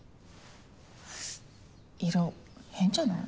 色変じゃない？